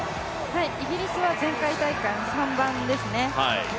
イギリスは前回大会３番ですね。